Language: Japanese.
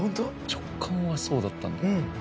直感はそうだったんだよね。